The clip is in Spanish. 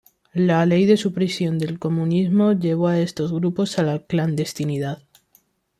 La Ley de Supresión del Comunismo llevó a estos grupos a la clandestinidad.